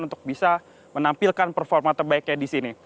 untuk bisa menampilkan performa terbaiknya di sini